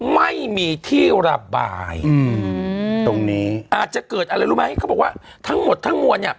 ไม่มีที่ระบายอืมตรงนี้อาจจะเกิดอะไรรู้ไหมเขาบอกว่าทั้งหมดทั้งมวลเนี่ย